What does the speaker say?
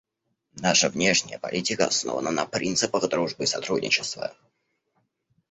Наша внешняя политика основана на принципах дружбы и сотрудничества.